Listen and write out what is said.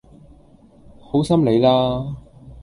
好心你啦